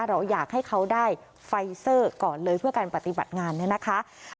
เราอยากให้เขาได้ไฟเซอร์ก่อนเลยเพื่อการปฏิบัติงานเนี่ยนะคะ